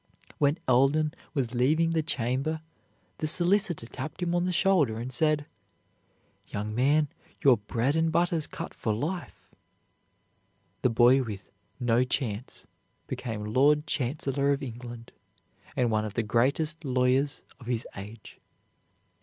When Eldon was leaving the chamber the Solicitor tapped him on the shoulder and said, "Young man, your bread and butter's cut for life." The boy with "no chance" became Lord Chancellor of England, and one of the greatest lawyers of his age.